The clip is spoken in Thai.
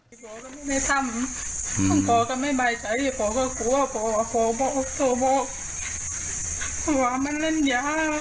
ก็ในปีเดี๋ยวพ่อโทรมาหาลูกสาวบอกว่าวันควอนเด็จใจใจว่า